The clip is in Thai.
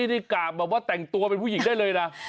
ได้กราบแบบว่าแต่งตัวเป็นผู้หญิงได้เลยนะ